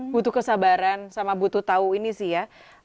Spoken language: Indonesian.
butuh kesabaran sama butuh tahu ini sih ya